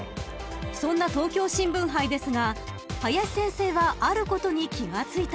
［そんな東京新聞杯ですが林先生はあることに気が付いたそうで］